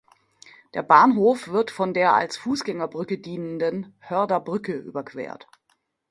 Der Bahnhof wird von der als Fußgängerbrücke dienenden Hörder Brücke überquert.